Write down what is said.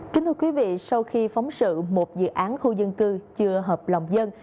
kính thưa quý vị sau khi phóng sự một dự án khu dân cư chưa hợp lòng dân